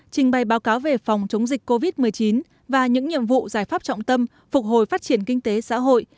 trình bày báo cáo về phòng chống dịch covid một mươi chín và những nhiệm vụ giải pháp trọng tâm phục hồi phát triển kinh tế xã hội